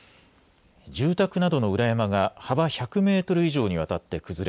住宅などの裏山が幅１００メートル以上にわたって崩れ